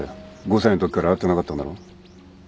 ５歳のときから会ってなかったんだろ？